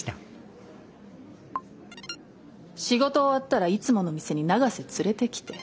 「仕事終わったらいつもの店に永瀬連れてきて。